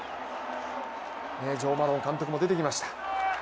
ジョー・マドン監督も出てきました。